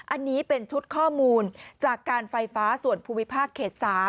อันนี้เป็นชุดข้อมูลจากการไฟฟ้าส่วนภูมิภาคเขต๓